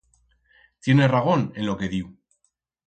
Tiene ragón en lo que diu.